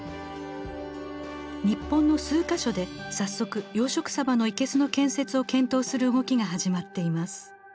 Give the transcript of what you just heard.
日本の数か所で早速養殖サバの生けすの建設を検討する動きが始まっています。